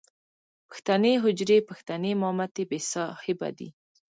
پښتنې حجرې، پښتنې مامتې بې صاحبه دي.